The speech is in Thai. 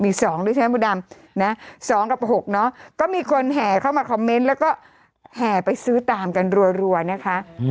มี๒ด้วยใช่ไหมมดดำนะ๒กับ๖เนาะก็มีคนแห่เข้ามาคอมเมนต์แล้วก็แห่ไปซื้อตามกันรัวนะคะ